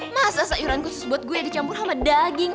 masa sayuran khusus buat gue yang dicampur sama daging